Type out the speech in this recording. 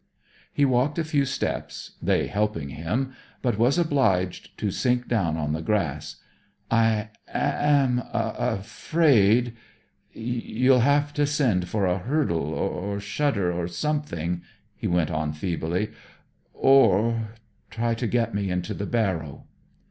He walked a few steps, they helping him, but was obliged to sink down on the grass. 'I am afraid you'll have to send for a hurdle, or shutter, or something,' he went on feebly, 'or try to get me into the barrow.'